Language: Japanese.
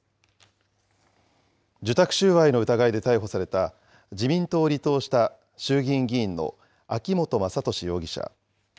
受託収賄の疑いで逮捕された自民党を離党した衆議院議員の秋本真利容疑者。